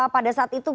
pada saat itu